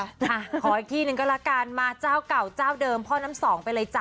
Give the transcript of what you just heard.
ขออีกที่หนึ่งก็ละกันมาเจ้าเก่าเจ้าเดิมพ่อน้ำสองไปเลยจ้